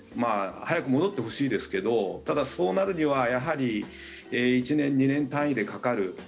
早く戻ってほしいですけどただ、そうなるにはやはり１年、２年単位でかかる。